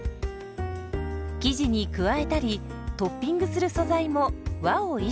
生地に加えたりトッピングする素材も和を意識。